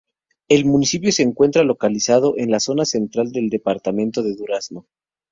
El municipio se encuentra localizado en la zona central del departamento de Durazno.